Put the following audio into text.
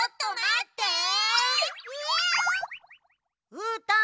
うーたん